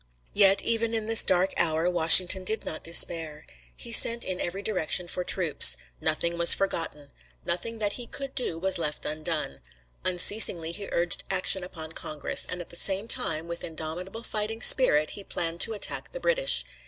Yet even in this dark hour Washington did not despair. He sent in every direction for troops. Nothing was forgotten. Nothing that he could do was left undone. Unceasingly he urged action upon Congress, and at the same time with indomitable fighting spirit he planned to attack the British.